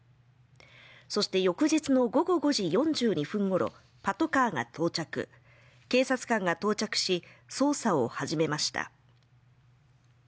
そして翌日の午後５時４２分ごろパトカーが到着警察官が到着し捜査を始めました